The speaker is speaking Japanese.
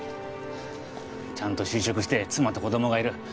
ちゃんと就職して妻と子供がいる。